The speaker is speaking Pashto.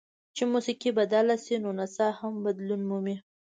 چې موسیقي بدله شي نو نڅا هم بدلون مومي.